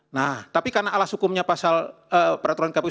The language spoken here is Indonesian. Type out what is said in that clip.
nah tapi karena alas hukumnya pasal peraturan kpu